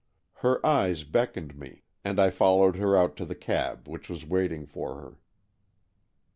Her eyes beckoned me, and I fol lowed her out to the cab which was waiting for her.